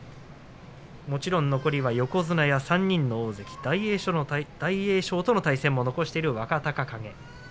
もちろん残りは横綱や３人の大関、大栄翔との対戦も残している若隆景。